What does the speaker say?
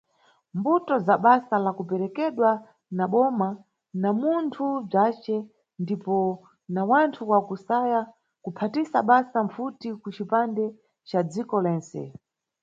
Mbuto za basa la kuperekedwa na boma, na munthu bzace ndipo na wanthu wakusaya kuphatisa basa mpfuti kucipande ca dziko lentse.